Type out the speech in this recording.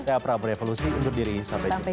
saya prabu revolusi undur diri sampai jumpa